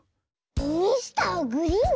ミスターグリーン⁉